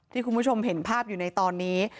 คุณผู้ชมเห็นภาพอยู่ในตอนนี้